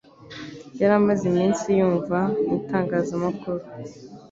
yari amaze iminsi yumva mu itangazamakuru